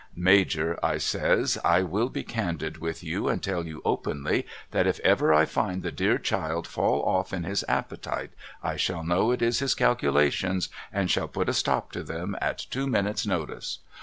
' Major ' I says ' I Avill be candid with you and tell you openly that if ever I find the dear child fall off in his appetite I shall know it is his calculations and shall put a stop to them at two minutes' notice.